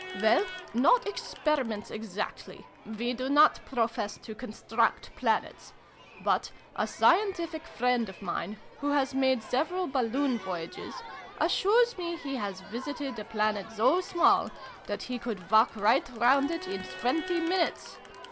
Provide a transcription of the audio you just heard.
" Well, not experiments exactly. We do not profess to construct planets. But a scientific friend of mine, who has made several balloon voyages, assures me he has visited a planet so small that he could walk right round it in twenty minutes